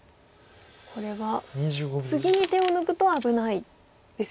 これは次に手を抜くと危ないですよね。